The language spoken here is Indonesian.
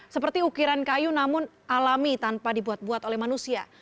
seperti ukiran kayu namun alami tanpa dibuat buat oleh manusia